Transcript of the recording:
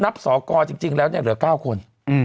สอกรจริงแล้วเนี่ยเหลือ๙คน